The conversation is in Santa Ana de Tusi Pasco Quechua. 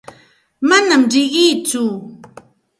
Manam riqiitsu.